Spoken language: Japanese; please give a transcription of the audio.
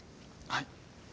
はい。